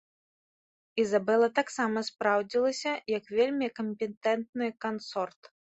Ізабела таксама спраўдзілася як вельмі кампетэнтны кансорт.